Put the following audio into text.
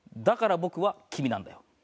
だから僕は君なんだよ。